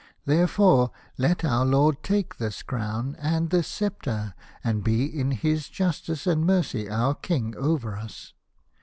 Therefore, let our lord take this crown and this sceptre, and be in his justice and mercy our King over us."